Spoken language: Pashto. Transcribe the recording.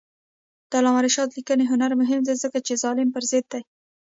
د علامه رشاد لیکنی هنر مهم دی ځکه چې ظلم پر ضد دی.